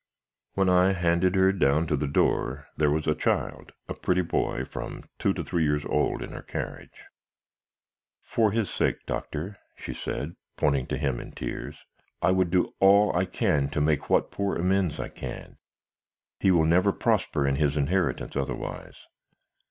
When I handed her down to the door, there was a child, a pretty boy from two to three years old, in her carriage. "'For his sake, Doctor,' she said, pointing to him in tears, 'I would do all I can to make what poor amends I can. He will never prosper in his inheritance otherwise.